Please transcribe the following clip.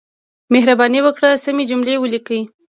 مهرباني وکړئ سمې جملې ولیکئ.